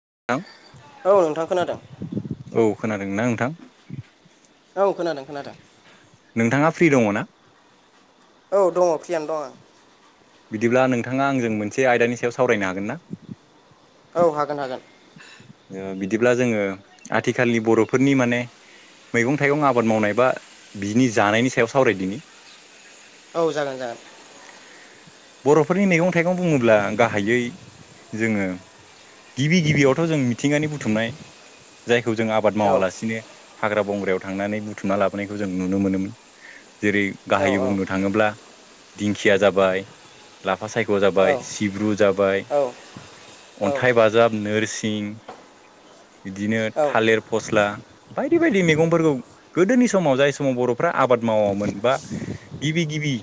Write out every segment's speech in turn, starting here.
नोंथां औ नोंथां खोनादों औ खोनादों ना नोंथां? औ खोनादों खोनादों। नोंथाङा फ्रि दङ'ना? औ दङ' फ्रियानो दङ' आं। बिदिब्ला नोंथाङा आंजों मोनसे आयदानि सायाव सावरायनो हागोन ना? औ हागोन हागोन। ओ बिदिब्ला जोङो आथिखालनि बर'फोरनि माने मैगं थाइगं आबाद मावनाय बा बिनि जानायनि सायाव सावरायदिनि। औ जागोन जागोन। बर'फोरनि मैगं थाइगं बुङोब्ला गाहायै जोङो गिबि गिबियावथ' जों मिथिंगानि बुथुमनाय जाय बे जों आबाद औ मावालासिनो हाग्रा बंग्रायाव थांनानै बुथुमना लाबोनायखौ जों नुनो मोनोमोन। जेरै औ गाहायै बुंनो थाङोब्ला दिंखिया जाबाय आफा सायख' औ जाबाय सिब्रु जाबाय औ औ अन्थाइ बाजाब नोरसिं बिदिनो थालिर फस्ला स्ला बायदि बायदि मैगंफोरखौ गोदोनि समाव जाय समाव बर'फ्रा आबाद मावामोन बा गिबि गिबि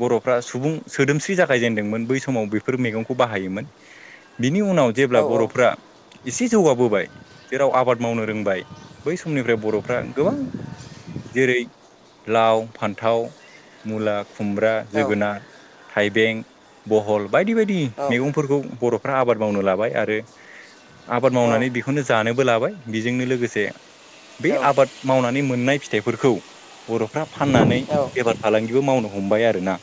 बर'फ्रा सुबुं सोदोमस्रि जागायजेनदोंमोन बै समाव बेफोर मैगंखौ बाहायोमोन बिनि उनाव जेब्ला बर'फ्रा एसे जौगाबोबाय जेराव आबाद मावनो रोंबाय बै समनिफ्राय बर'फ्रा गोबां जेरै लाव फान्थाव मुला खुमब्रा जोगोनार थाइबें बहल बायदि बायदि मैगंफोरखौ बर'फ्रा आबाद मावनो लाबाय आरो आबाद मावनानै बेखौनो जानोबो लाबाय बेजोंनो लोगोसे औ बे आबाद मावनानै मोननाय फिथाइफोरखौ बर'फ्रा फाननानै बेफार फालांगिबो मावनो हमबाय आरोना।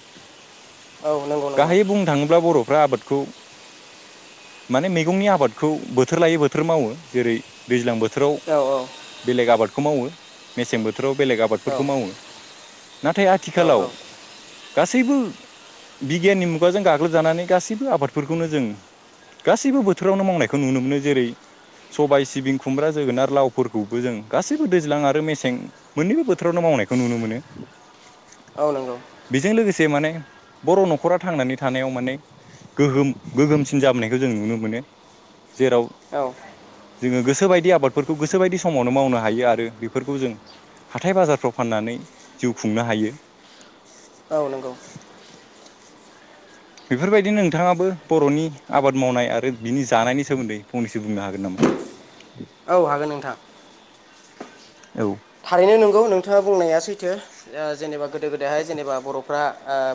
गाहायै औ नंगौ बुंनो थांङोब्ला बर'फ्रा आबादखौ माने मैगंनि आबादखौ बोथोर लायै बोथोर मावो जेरै दैज्लां बोथोराव औ बेलेग आबादखौ मावो मेसें बोथोराव बेलेग आबादफोरखौ मावो। नाथाय औ आथिखालाव गासैबो बिगियाननि मुगाजों गाग्लोबजानानै गासैबो आबादफोरखौनो जों गासैबो बोथोरावनो मावनायखौ नुनो मोनो जेरै सबाय सिबिं खुमब्रा जोगोन आरो लावफोरखौबो जों गासैबो दैज्लां आरो मेसें मोन्नैबो बोथोरावनो मावनायखौ नुनो मोनो। औ नंगौ बेजों लोगोसे माने बर' न'खरा थांनानै थानायाव माने गोहोम गोहोमसिन जाबोनायखौ जों जों नुनो मोनो। जेराव औ जोंङो गोसोबायदि आबादफोरखौ गोसोबायदि समावनो मावनो हायो आरो बेफोरखौ जों हाथाय बाजारफ्राव फाननानै जिउ खुंनो हायो। औ नंगौ बेफोरबायदिनो नोंथांङाबो बर'नि आबाद मावनाय आरो बिनि जानायनि सोमोन्दै फंनैसो बुंनो हागोन नामा? औ हागोन नोंथां। औ थारैनो नंगौ नोंथांङा बुंनाया सैथो जेनेबा ओ गोदो गोदायहाय ओ जेनेबा बर'फ्रा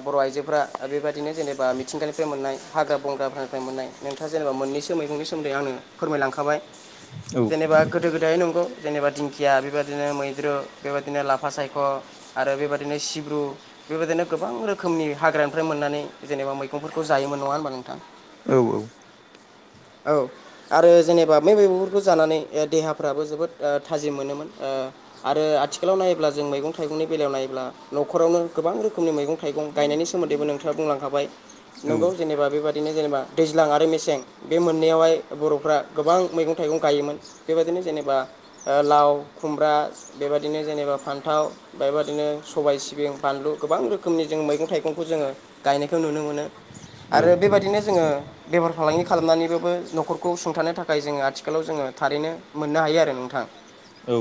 बर' आ आइजोफोरा बेबायदिनो जेनेबा मिथिंगानिफ्राय मोननाय हाग्रा बंग्राफोरनिफ्राय मोननाय नोंथांङा जेनेबा मोननैसो नि सोन्दै आंनो फोरमायलांखाबाय औ जेनेबा गोदो गोदाय नंगौ जेनेबा दिंखिया बेबा दिनो मैद्रु बेबायदिनो लाफा सायख' आरो बेबायदिनो सिब्रु बेबायदिनो गोबां रोखोम रोखोमनि हाग्रानिफ्राय मोननानै जेनेबा मैगंफोरखौ जायोमोन नंङा होनबा नोंथां? औ औ औ आरो जेनेबा बे मेगंफोरखौ जानानै देहाफ्राबो जोबोद थाजिम मोनोमोन। आरो आथिखालाव नायोब्ला जों मैगं थाइगंनि बेलायाव नायोब्ला न'खरावनो गोबां रोखोमनि मैगं थाइगं गायनायनि सोमोन्दैबो नोंथांङा बुंलांखाबाय औ नोंगौ जेनेबा बेबादिनो जेनेबा दैज्लां आरो मेसें बे मोननैावहाय बर'फ्रा गोबां मैगं थाइगं गायोमोन बेबायदिनो जेनेबा लाव खुमब्रा बेबायदिनो जेनेबा फान्थाव बेबाददिनो सबाय सिबिं बानलु गोबां रोखोमनि जों मैगं थाइगंखौ जोंङो गायनायखौ नुनो मोनो आरो। बेबायदिनो जोंङो बेफार फालांगि खालामनानैबबो न'खरखौ सुंथानो थाखाय जोंङो आथिखालाव जोंङो थारैनो मोननो हायो आरो नोंथांङा। औ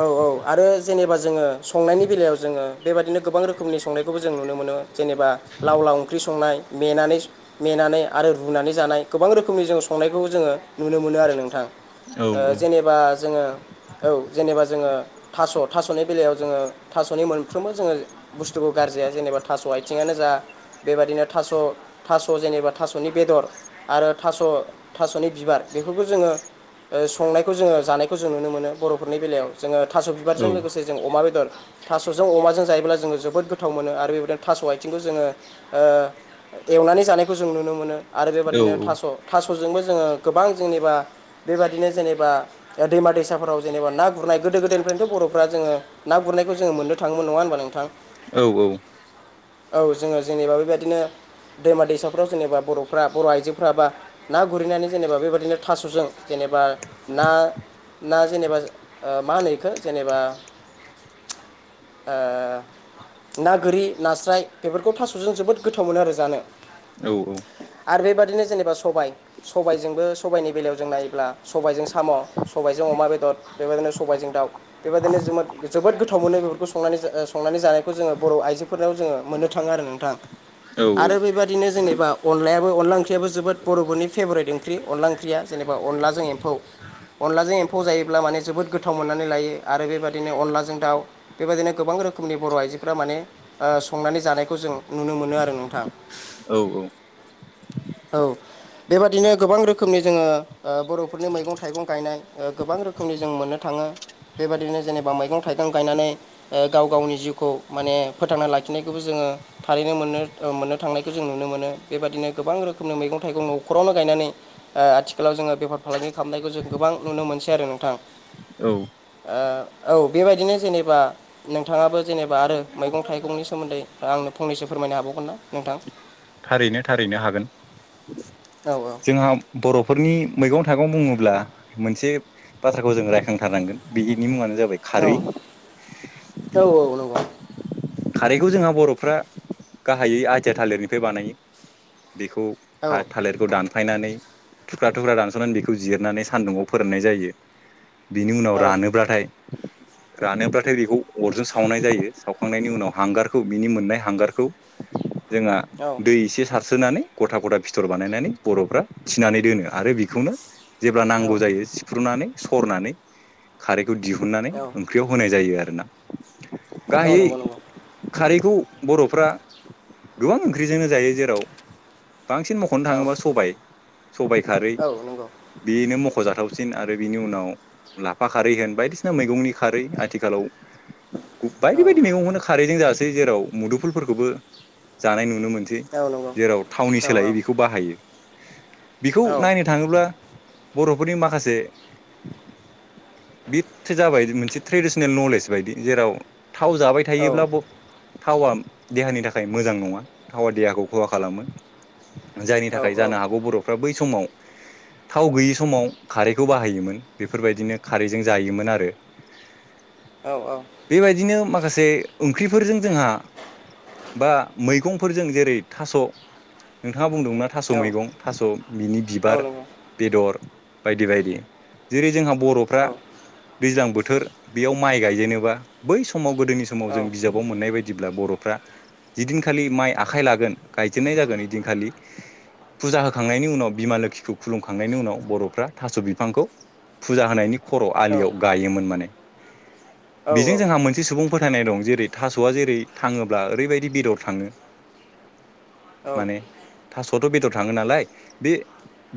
औ औ आरो जेनेबा जोंङो संनायनि बेलायाव जोंङो बेबाददिनो गोबां रोखोमनि संनायखौबो जों नुनो मोनो जेनेबा लाव लाव ओंख्रि संनाय मेनानै आरो रुनानै जानाय गोबां रोखोमनि जोंङो संनायखौ जोंङो नुनो मोनो आरो नोंथां औ औ जेनेबा जोंङो औ जेनेबा जोंङो थास थास'नि बेलायाव जोंङो थास मोनफ्रोमबो जोंङो बुस्थुखौ गाज्रिया जेनेबा थास' आ आथिंनो जा बेबायदिनो थास' थास' जेनेबा थास'नि बेदर आरो थास' थास'नि बिबार बेफोरखौ जोंङो संनायखौ जोंङो जानायखौ जों नुनो मोनो। बर'फोरनि बेलायाव जोंङो थास' औ बिबारजों लोगोसे जों अमा बेदर थास'जों अमाजों जायोब्ला जोंङो जोबोद गोथाव मोनो आरो बेबायदिनो थास' आथिंखौ जोंङो ओ एवनानै जानायखौ जों नुनो मोनो आरो। औ बेबाददिनो थास' थास' जोंबो जोंङो गोबां जेनेबा बेबदिनो जेनेबा दैमा दैसाफोराव जेनेबा ना गुरनाय गो गोदो गोदायनिफ्रायथ' बर'फ्रा जोंङो ना गुरनायखौ जो मोननो थाङोन नंङा होनबा नोंथां? औ औ औ जोंङो जेनेबा बेबायदिनो दैमा दैसा हाखरफ्राव जेनबा बर'फ्रा बर' आइजोफोरा बा ना गुरैनानै जेनेबा बेबायदिनो थास'जों जेनेबा ना ना जेनेबा मा होनो इखो जेनेबा ओ ना गोरि नास्राय बेफोरखौ थास'जों जोबोद गोथाव मोनो आरो जानो। औ औ बिदिनो जेनेबा सबाय सबायजोंबो सबायनि बेलायाव जों नायोब्ला सबायजों साम' सबायजों अमा बेदर बेबायदिनो सबायजों दाउ बेबायदिनो जोबोद गोथाव मोनो बेफोरखौ संनानै जा संनानै जानाय खौ बर' आइजोफोराव जोङो मोननो थाङो आरो नोंथां आरो औ बेबायदिनो जोंनि जेनबा अनलायाबो अनला ओंख्रियो जोबोद बर'फोरनि फेभरेट ओंख्रि अनला ओंख्रिया जेनेबा अनलाजों एम्फौ अनलाजों एम्फौ जायोब्ला माने जोबोद गोथाव मोननानै लायो आरो बेबायदिनो अनलाजों दाउ बेबादिनो गोबां रोखोमनि बर' आइजोफोरा माने संनानै जानायखौ जों नुनो मोनो आरो नोंथां। औ औ औ बेबादिनो गोबां रोखोमनि जोङो बर'फोरनि मैगं थाइगं गायनाय गोबां रोखोमनि जों मोननो थाङो। बेबायदिनो जेनेबा मैगं थाइगं गायनानै गाव गावनि जिउखौ माने फोथांना लाखिनायखौबो जोङो थारैनो मोननो मोननो थांनायखौ जों नुनो मोनो। बेबायदिनो गोबां रोखोमनि मैगं थाइगं न'खरावनो गायनानै आथिखालाव जोङो बेफार फालांगि खालामनायखौ जों गोबां नुनो मोनसै आरो नोंथां। औ ओ औ बेबायदिनो जेनेबा नोंथाङाबो जेनेबा आरो मैगं थाइगंनि सोमोन्दै आं नो फंनैसो फोरमायनो हाबावगोन ना नोंथां? थारैनो थारैनो हागोन औ जोंहा बर'फोरनि मैगं थाइगं बुङोब्ला मोनसे बाथ्राखौ जों रायखांथारनांगोन बिनि मुङानो जाबाय औ खारै औ औ नंगौ खारैखौ जोंहा बर'फ्रा गाहायै आथिया थालिरनिफ्राय बानायो। बेखौ औ थालिरखौ दानफायनानै थुख्रा थुख्रा दानस'नानै बेखौ जिरनानै सान्दुुङाव फोराननाय जायो। बिनि औ नंगौ औ नंगौ औ नंगौ औ नंगौ औ नंगौ औ नंगौ औ नंगौ औ उनाव रानोब्लाथाय रानोब्लाथाय बेखौ अरजों सावनाय जायो सावखांनायनि बिनि उनावा हांगारखौ बिनि मोननाय हांगारखौ जोङा दै एसे सारस्रो नानै गथा गथा फिथर बानायनानै बर'फ्रा थिनानै दोनो आरो बेखौनो जेब्ला नांगौ जायो सिफ्र्लुनानै सरनानै खारै खौ दिहुननानै ओंख्रियाव होनाय जायो आरो ना। औ नंगौ नंगौ। खारैखौ बर'फ्रा गोबां ओंख्रिजोंनो जायो जेराव बांसिन मख'नो थाङोबा सबाय सबाय खारै बेनो मख' जाथावसिन आरो बिनि उनाव लाफा खारै होन बायदिसिना मैगंनि खारै आथिखालाव बायदि बायदि मेगंखोनो जासै जेराव मुदुफुलफोरखौबो जानाय नुनो मोनो। बै जेराव थावनि सोलायै बेखौ बाहायो। बेखौ नायनो थाङोब्ला बर'फोरनि माखासे बे [unintelligible] जाबाय मोनसे ट्रेडिसनेल नलेज बायदि जेराव थाव जा योब्लाबो थावा देहानि थाखाय मोजां नङा थावा देहाखौ खहा खालामो। जायनि थाखाय जानो हागौ बर'फ्रा बै समाव थाव गैयि समाव खारैखौ बाहायोमोन बेफोरबायदिनो खारैजों जायोमोन आरो। बेबायदिनो माखासे ओंख्रिफोरजों जोंहा बा मैगंफोरजों जेरै थास' नोंथाङा बुंदोंना थास' मैगं थास' बिनि बिबार बेदर बायदि बायदि जेरै जोंहा बर'फ्रा दैज्लां बोथोर बोथोर बेयाव माइ गायजेेननोबा बै समाव गोदोनि समाव जों बिजाबाव मोननाय बायदिब्ला बर' रा जिदिनखालि माइ आखाइ लागोन गायजेननाय जागोन इदिनखालि फुजा होखांनायनि उनाव बिमा लोखिखौ खुलुमखांनायनि उनाव बर'फ्रा थास' बिफांखौ फुजा होनायनि खर' आलियाव गायोमोन माने बेजों औ जोंहा मोनसे सुबुं फोथायनाय दं जेरै थास'आ जेरै थाङोब्ला ओरैबायदि बेदर थाङो औ माने थास'आथ' बेदर थाङो नालाय बे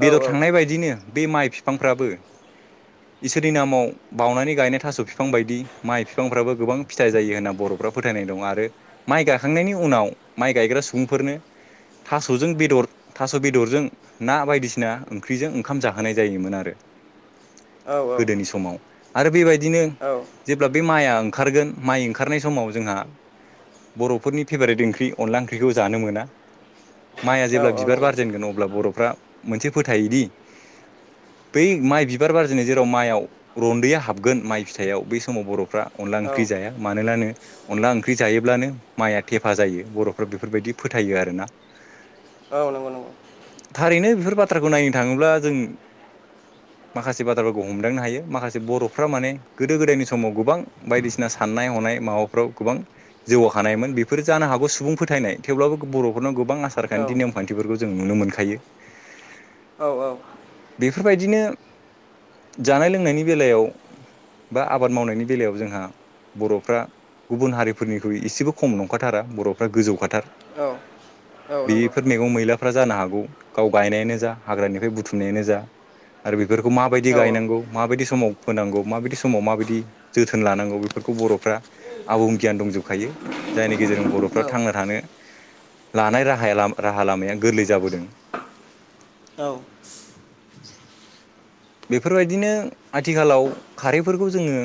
बेदर थांनाय बायदिनो बे माइ बिफांफ्राबो इसोरनि नामाव बावउनानै गायनाय थास' बिफां बायदि माइ बिफांफ्राबो गोबां फिथाइ जायो होनना बर'फ्रा फोथायनाय दं आरो माइ गाखांनायनि उनाव माइ गायग्रा सुबुंफोरनो थास'जों बेदर थास' बेदरजों ना बायदिसिना ओंख्रिजों ओंखाम जाहोनाय जायोमोन आरो। गोदोनि समाव आरो बेबायदिनो जेब्ला बे माइआ ओंखारगोन माइ ओंखारनाय समाव जोंहा बर'फोरनि फेभारेट ओंख्रि अनला ओंख्रिखौ जानो मोना। माइया जेब्ला बिबार बारजेनगोन अब्ला बर'फ्रा मोनसे फोथायोदि बै माइ बिबार बारजायनाय जेराव माइयाव रन्दैया हाबगोन माइ फिथाइयाव बै समाव बर'फ्रा अनला जाया मानोनानो अनला ओंख्रि जायोब्लानो माइया थेफा जायो बर'फ बेफोरबायदि फोथायो आरोना। औ नंगौ। थारैनो बेफोर बाथ्राखौ नायनो थाङोब्ला जों माखासे बाथ्राफोरखौ हमदांनो हायो माखासे बर'फ्रा माने गोदो गोदायनि समाव गोबां बायदिसिना साननाय हनाय माबाफ्राव गोबां जौगाखानायमोन बेफोर जानो हागौ सुबुं फोथायनाय थेवब्लाबो बर'फोराव गोबां आसार खान्थि नेमखान्थिफोरखौ जों नुनो मोनखायो। बेफोरबायदिनो जानाय लोंनायनि बेलायाव बा आबाद मावनायनि बेलायाव जोंहा बर'फ्रा गुबुन हारिफोरनिख्रुइ एसेबो खम नंखाथारा बर'फ्रा गोजौखाथार बेफोर मैगं मैलाफ्रा जानो हागौ गाव गायनायानो जा हाग्रानिफ्राय बुथुमनायानो जा आरो बेफोरखौ माबायदि गायनांगौ माबायदि समाव फोनांगौ माबायदि समाव माबायदि जोथोन लानांगौ बे फोरखौ बर'फ्रा आबुं गियान दंजोबखायो जायनि गेजेरजों बर'फ्रा थांना थानो लानाय र राहा लामाया गोरलै जाबोदों। औ बेफोरबायदिनो आथिखालाव खारैफोरखौ जोङो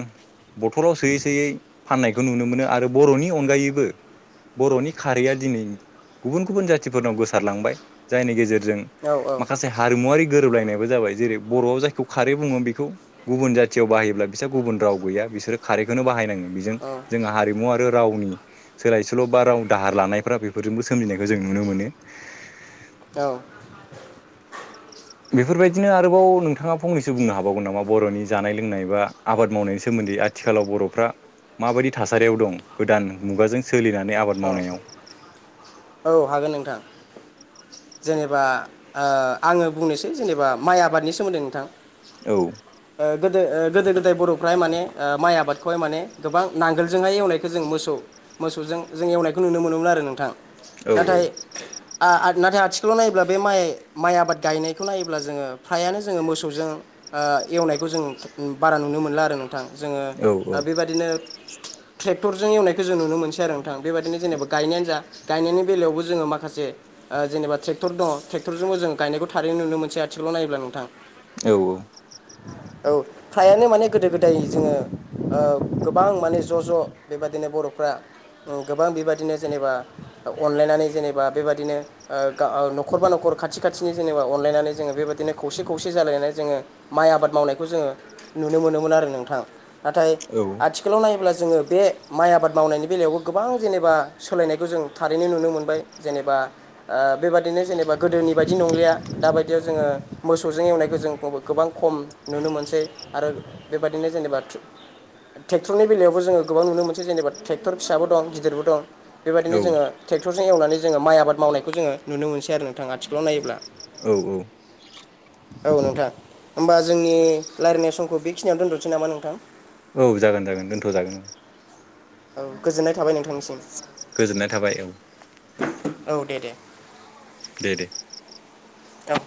बथलाव सोयै सोयै फाननायखौ नुनो मोनो आरो बर'नि अनगायैबो बर'नि खारैया दिनै गुबुन गुबुन जाथिफोरनाव गोसारलांबाय जायनि गेजेरजों जों माखासे हारिमुवारि गोरोबलायनायबो जाबाय जेरै बर'आव जाय बेखौ खारै बुङो बेखौ गुबुन जाथियाव बाहायोब्ला बिसोर्रा गुबुन राव गैया बिसोरो खारैखौनो बाहायनङो बेजों जोंहा हारिमु आरो रावनि सोलाय सोल' बा राव दाहार लानायफ्रा बेफोरजोंबो सोमजिनायखौ जों नुनो मोनो‌। [inaudible] औ [unintelligible] बेफोरबायदिनो आरोबाव नोंथाङा फंनैसो बुंनो हाबावगोन नामा बर'नि जानाय लोंनाय बा आबाद मावनायनि सोमोन्दै बे आथिखालाव बर'फ्रा माब बायदि थासारियाव दं गोदान मुग जाजों स सोलिनानै आबाद मावनायाव हागोन नोंथां जेनेबा आङो बुंनोसै जेनेबा माइ आबादनि सोमोन्दै नोंथां। औ आ गद आ गोदो गोदाय बर'फाय माने माइ आबादखौहाय माने गोबां नांगोलजोंहाय एवनायखौो जों मोसौ मोसौजों जों एवनायखौ नुनो मोनोमोन आरो नोंथां औ नाथाय नाथाय आथिखालाव नायोब्ला बे माइ माइ आबाद गायनायखौ नायोब्ला जोङो फ्रायानो जोङो मोसौजों एवनायखौ जों बारा नुनो मोनला आरो न गोां जोङो औ औ बेबादिनो ट्रेक्टरजों एवनायखौ जों नुनो मोनसै आरो बेबायादिनो जेनेबा गायनायानो जा गायनायनि बेलायावबो जोङो माखासे जेनबा ट्रेक्टर दङ ट्रेक्टरजोंबो जोङो गायनायखौ थारैनो नुनो मोनस आथिखा लाव नायोब्ला नोंथां। औ औ औ फ्रायानो माने गोदो गोदाय जोङो ओ गोबां माने ज' ज' बेबादिनो बर'फ्रा फ्रा [unintelligible] गोबां बेबायदिनो जेनेबा अनलायनानै जेनेबा बेबायदिनो न'खरबा न'खरखौ खाथि खाथिनि जेनेबा अनलायनानै जोङो बेबायदिनो खौसे खौसे जालायनानै जोङो माइ आबाद मावनाय जोङो नुनो मोनोमोन आरो नोंथां नाथाय औ आथिखालाव नायोब्ला जोङो बे माइ आबाद मावनायनि बेलायावबो गोबां जेनेबा सोलायनायखौ जों थारैनो नुनो मोनबाय जेनेबा बेबादिनो जेनेबा गोदो नि बाददि नंलिया दा बायदियाव जोङो मोसौजों एवनायखौ जों गोबां खम नुनो मोनसै आरो बेबायदिनो जेनेबा ट्रेक्टरनि बेलायावबो जोङो गोबां नुनो मोनै जेनेबाट्रेक्टर फिसाबो दं गिदिरबो दं औ बेबायदिनो जोङो टेक्टर जों एवनानै जोङो माइ आबाद मावनायखौ जोङो नुनो मोनसै आरो नोंथां आथिखालाव नायोब्ला औ औ। औ नोंथां होमबा जोंनि रायज्लायनाय समखौ बेखिनियाव दोन्थ'नोसै नामा नोंथां। औ जागोन जागोन दोनथ'जागोन। औ गोजोननाय थाबाय नोंथांनिसिम गोजोननाय थाबाय औ औ दे दे दे दे दाउ